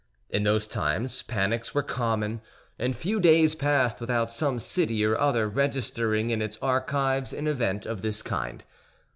In those times panics were common, and few days passed without some city or other registering in its archives an event of this kind.